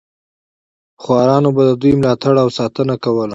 خوارانو به د دوی ملاتړ او ساتنه کوله.